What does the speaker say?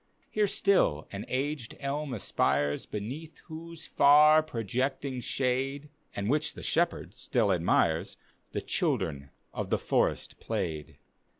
Here still an aged dm a^ires, Beneath whose far projecting shade, (And which the shepherd stiU admires,) The children of the forest played.